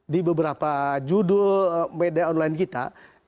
di beberapa judul media online kita